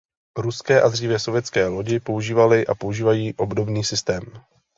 Ruské a dříve sovětské lodi používaly a používají obdobný systém.